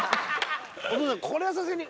おとうさんこれはさすがに。